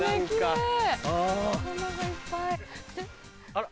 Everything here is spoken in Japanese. あら？